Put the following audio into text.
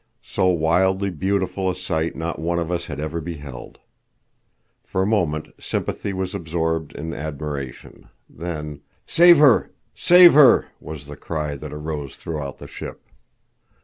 So wildly beautiful a sight not one of us had ever beheld. For a moment sympathy was absorbed in admiration. Then: "Save her! Save her!" was the cry that arose throughout the ship.